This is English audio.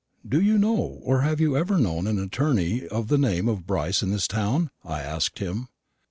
"Do you know, or have you ever known, an attorney of the name of Brice in this town?" I asked him.